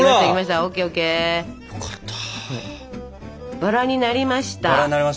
バラになりました。